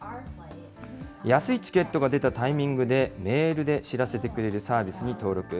安いチケットが出たタイミングで、メールで知らせてくれるサービスに登録。